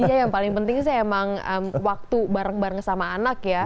iya yang paling penting sih emang waktu bareng bareng sama anak ya